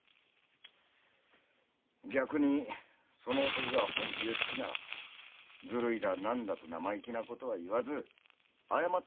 逆にその男が本気で好きならずるいだ何だと生意気なことは言わず謝ってる。